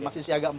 masih siaga empat